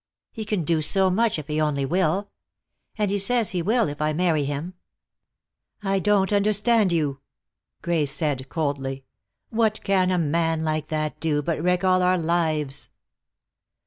He can do so much, if he only will. And he says he will, if I marry him." "I don't understand you," Grace said coldly. "What can a man like that do, but wreck all our lives?"